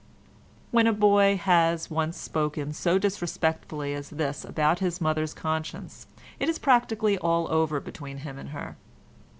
When a boy has once spoken so disrespectfully as this about his mother's conscience it is practically all over between him and her.